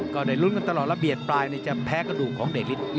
ก็ได้ลุ้นกันตลอดระเบียดปลายจะแพ้กระดูกของเด็กฤทธิ